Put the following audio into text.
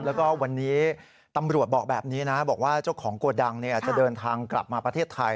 แล้วก็วันนี้ตำรวจบอกแบบนี้นะบอกว่าเจ้าของโกดังจะเดินทางกลับมาประเทศไทย